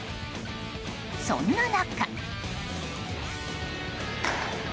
そんな中。